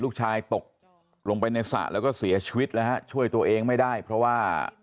ลูกชายตกลงไปในสระแล้วก็เสียชีวิตแล้วฮะช่วยตัวเองไม่ได้เพราะว่า